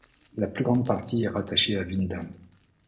La plus grande partie est rattachée à Veendam.